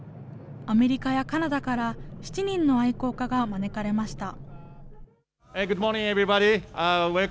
アメリカやカナダから７人の愛好家が招かれました。